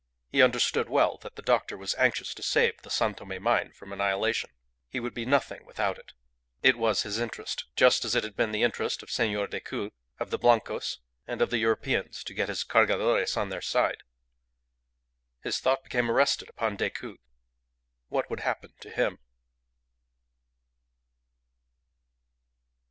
He understood well that the doctor was anxious to save the San Tome mine from annihilation. He would be nothing without it. It was his interest. Just as it had been the interest of Senor Decoud, of the Blancos, and of the Europeans to get his Cargadores on their side. His thought became arrested upon Decoud. What would happen to him?